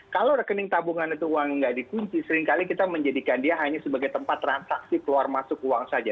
kalau rekening tabungan itu uang nggak dikunci seringkali kita menjadikan dia hanya sebagai tempat transaksi keluar masuk uang saja